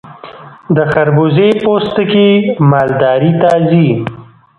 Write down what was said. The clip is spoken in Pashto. د خربوزې پوستکي مالداري ته ځي.